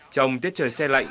trong tết trời xe lạnh